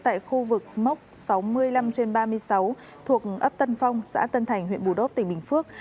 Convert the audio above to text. tại khu vực mốc sáu mươi năm trên ba mươi sáu thuộc ấp tân phong xã tân thành huyện bù đốc tỉnh bình phước